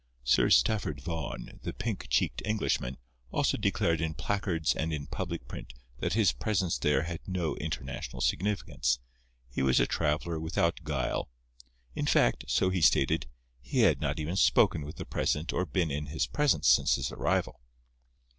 Sir Stafford Vaughn, the pink cheeked Englishman, also declared in placards and in public print that his presence there had no international significance. He was a traveller without guile. In fact (so he stated), he had not even spoken with the president or been in his presence since his arrival.